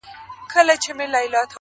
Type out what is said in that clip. تر ابده له دې ښاره سو بېزاره٫